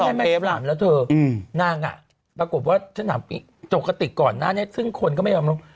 นางปรากฏว่าถ้าอย่างหน่ามีโจปกฏิกก่อนนะเนี่ยซึ่งคนก็ไม่รู้